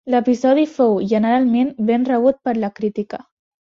L'episodi fou generalment ben rebut per la crítica.